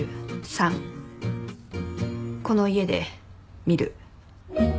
３この家で見る。